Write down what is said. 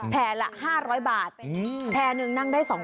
แพร่ละ๕๐๐บาทแพรหนึ่งนั่งได้๒๐๐